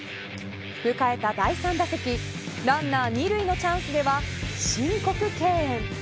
迎えた第３打席ランナー２塁のチャンスでは申告敬遠。